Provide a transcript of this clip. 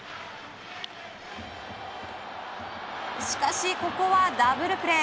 しかし、ここはダブルプレー。